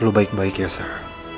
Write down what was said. lo baik baik ya sarah